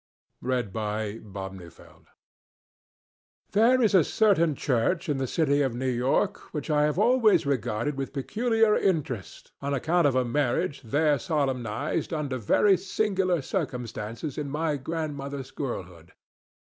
THE WEDDING KNELL There is a certain church, in the city of New York which I have always regarded with peculiar interest on account of a marriage there solemnized under very singular circumstances in my grandmother's girlhood.